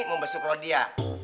mau besok rodia